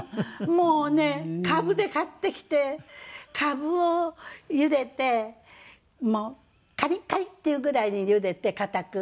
もうね株で買ってきて株をゆでてカリカリっていうぐらいにゆでて硬く。